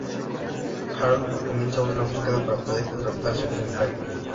Harold comienza una búsqueda para poder contactarse con Karen.